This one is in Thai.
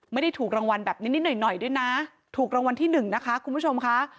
ไม่ได้ถูกรางวัลแบบนี้นิดหน่อยด้วยนะถูกรางวัลที่หนึ่งนะคะคุณผู้ชมค่ะ